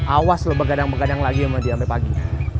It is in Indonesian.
awas lo begadang begadang lagi sama dia sampe pagi